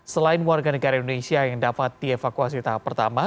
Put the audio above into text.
selain warga negara indonesia yang dapat dievakuasi tahap pertama